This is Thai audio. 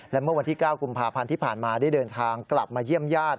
และเมื่อวันที่๙กุมภาพันธ์ที่ผ่านมาได้เดินทางกลับมาเยี่ยมญาติ